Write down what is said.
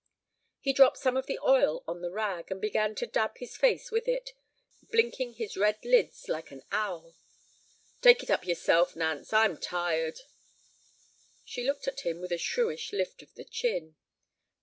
He dropped some of the oil on the rag, and began to dab his face with it, blinking his red lids like an owl. "Take it up yourself, Nance; I'm tired." She looked at him with a shrewish lift of the chin.